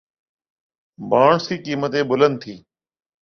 bonds کی قیمتیں بلند تھیں